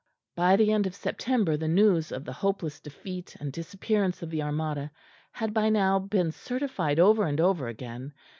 By the end of September the news of the hopeless defeat and disappearance of the Armada had by now been certified over and over again.